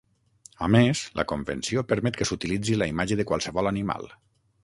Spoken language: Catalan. A més la convenció permet que s'utilitzi la imatge de qualsevol animal.